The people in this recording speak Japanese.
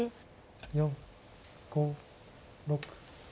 ４５６。